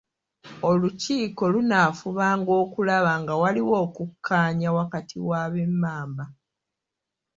Olukiiko lunaafubanga okulaba nga waliwo okukkaanya wakati wa bammemba.